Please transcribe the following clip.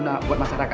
nasir kamu pelipu